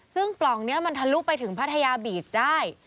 ซึ่งปล่องนี้มันทะลุไปถึงพัทยาบีชได้